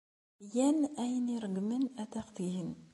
Gan ayen ay ṛeggmen ad aɣ-t-gen.